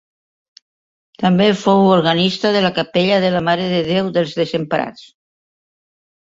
També fou organista de la capella de la Mare de Déu dels Desemparats.